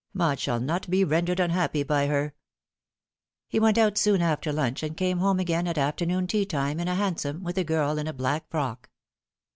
Maud shall not be rendered unhappy by her." He went out soon after lunch, and came home again at afternoon tea time in a hansom, with a girl in a black frock.